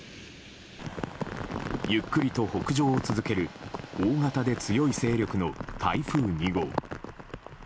ゆっくりと北上を続ける大型で強い勢力の台風２号。